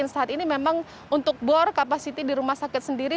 saat ini memang untuk bor kapasiti di rumah sakit sendiri